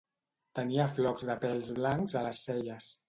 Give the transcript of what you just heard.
Tenia flocs de pèls blancs a les celles.